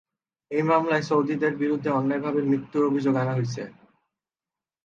এই মামলায় সৌদিদের বিরুদ্ধে অন্যায়ভাবে মৃত্যুর অভিযোগ আনা হয়েছে।